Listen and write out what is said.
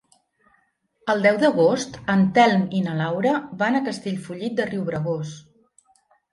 El deu d'agost en Telm i na Laura van a Castellfollit de Riubregós.